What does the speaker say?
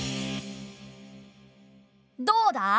どうだい？